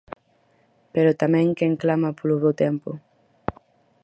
Pero tamén quen clama polo bo tempo.